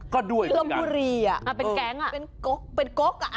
ก็ด้วยเหมือนกันเป็นก๊อกเหรอเป็นก๊อก